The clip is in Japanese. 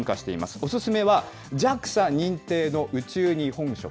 お薦めはＪＡＸＡ認定の宇宙日本食。